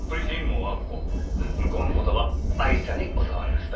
向こうの言葉アイシャに教わりました。